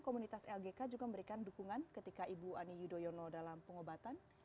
komunitas lgk juga memberikan dukungan ketika ibu ani yudhoyono dalam pengobatan